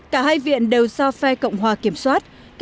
cả hai viện đều do phe cộng hòa kiểm soát